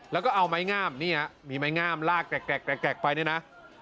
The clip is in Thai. แล้วก็เอาไม้งามนี่ฮะมีไม้งามลากแกรกไปเนี่ยนะ